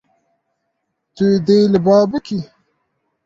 Tu dê li ba bikî.